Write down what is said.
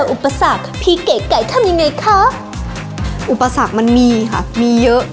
อุปสรรคมันมีค่ะมีเยอะ